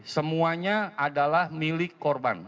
semuanya adalah milik korban